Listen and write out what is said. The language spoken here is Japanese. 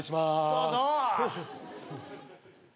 どうぞ。